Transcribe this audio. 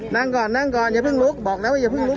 นั่งก่อนอย่าเพิ่งลุก